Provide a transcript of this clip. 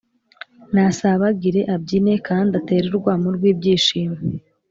nasabagire, abyine kandi atere urwamo rw’ibyishimo.